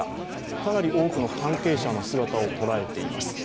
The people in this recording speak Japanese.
かなり多くの関係者の姿を捉えています。